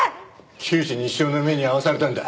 九死に一生の目に遭わされたんだ。